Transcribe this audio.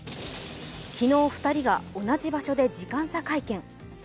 昨日、２人が同じ場所で時間差会見。